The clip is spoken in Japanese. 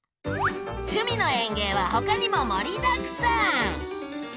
「趣味の園芸」はほかにも盛りだくさん！